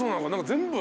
全部？